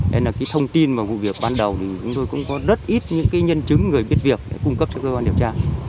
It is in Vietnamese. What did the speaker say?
nên là cái thông tin và vụ việc ban đầu thì chúng tôi cũng có rất ít những cái nhân chứng người biết việc để cung cấp cho cơ quan điều tra